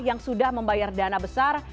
yang sudah membayar dana besar